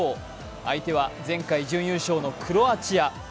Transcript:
相手は前回準優勝のクロアチア。